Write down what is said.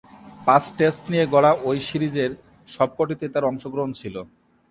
পাঁচ টেস্ট নিয়ে গড়া ঐ সিরিজের সবকটিতেই তার অংশগ্রহণ ছিল।